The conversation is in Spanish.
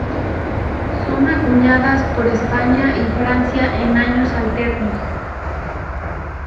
Son acuñadas por España y Francia en años alternos.